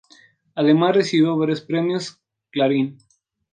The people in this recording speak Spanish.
Además recibió varios premios Clarín.